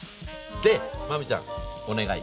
で真海ちゃんお願い。